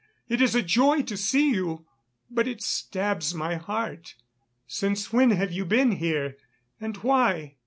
It is a joy to see you, but it stabs my heart. Since when have you been here, and why?"